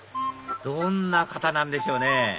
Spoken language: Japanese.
どんな方なんでしょうね？